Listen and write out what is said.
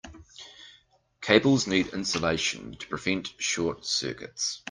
Cables need insulation to prevent short circuits.